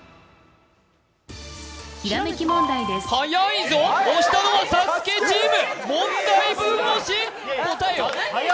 早いぞ、押したのは「ＳＡＳＵＫＥ」チーム！